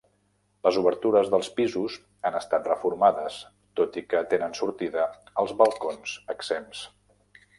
Les obertures dels pisos han estat reformades, tot i que tenen sortida a balcons exempts.